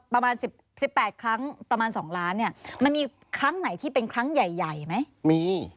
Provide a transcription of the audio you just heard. ประมาณ๑๘ครั้งประมาณ๒ล้านเนี่ยมันมีครั้งไหนที่เป็นครั้งใหญ่ใหญ่ไหมมี